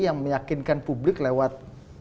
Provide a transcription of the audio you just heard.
yang meyakinkan publik lewat